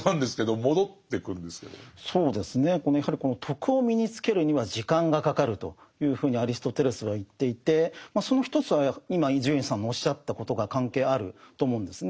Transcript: そうですねやはりこの「徳」を身につけるには時間がかかるというふうにアリストテレスは言っていてその一つは今伊集院さんのおっしゃったことが関係あると思うんですね。